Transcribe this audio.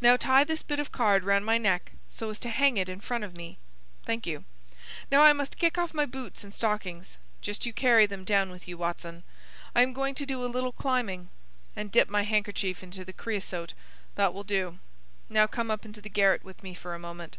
"Now tie this bit of card round my neck, so as to hang it in front of me. Thank you. Now I must kick off my boots and stockings.—Just you carry them down with you, Watson. I am going to do a little climbing. And dip my handkerchief into the creasote. That will do. Now come up into the garret with me for a moment."